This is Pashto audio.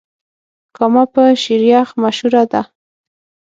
کامه په شيريخ مشهوره ده.